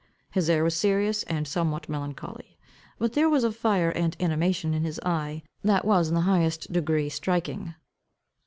His air was serious and somewhat melancholy; but there was a fire and animation in his eye that was in the highest degree striking.